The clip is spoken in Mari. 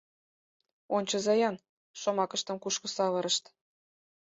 Ончыза-ян, шомакыштым кушко савырышт!